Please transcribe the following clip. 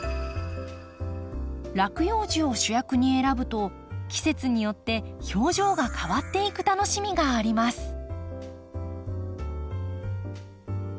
落葉樹を主役に選ぶと季節によって表情が変わっていく楽しみがあります。